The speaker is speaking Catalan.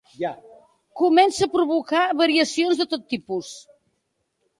Comença a provocar variacions de tot tipus.